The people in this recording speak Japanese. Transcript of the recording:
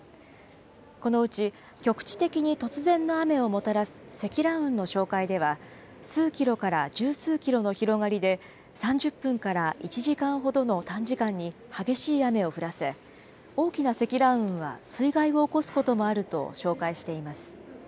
このうち、局地的に突然の雨をもたらす積乱雲の紹介では、数キロから十数キロの広がりで、３０分から１時間ほどの短時間に激しい雨を降らせ、大きな積乱雲は水害を起こすこともあると紹介しています。